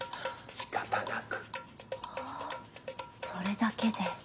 あそれだけで。